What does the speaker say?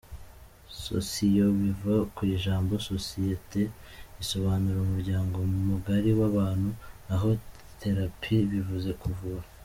Socio” biva ku ijambo “Société” risobanura umuryango mugari w’abantu, naho “Thérapie” bivuze kuvura.